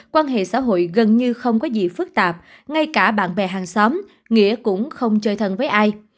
quan hệ xã hội gần như không có gì phức tạp ngay cả bạn bè hàng xóm nghĩa cũng không chơi thân với ai